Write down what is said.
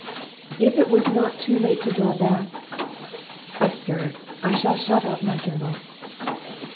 If it was not too late to draw back Absurd! I shall shut up my journal."